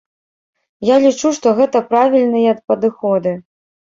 Я лічу, што гэта правільныя падыходы.